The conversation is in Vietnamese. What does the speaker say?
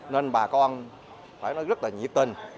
nên bà con phải nói rất là nhiệt tình